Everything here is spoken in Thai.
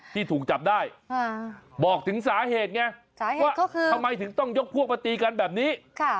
ที่ถูกจับได้บอกถึงสาเหตุไงว่าทำไมถึงต้องยกพวกมาตีกันแบบนี้